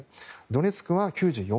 ドネツクは９４％。